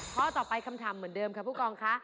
ข้อต่อไปคำถามเหมือนเดิมค่ะผู้กองค่ะ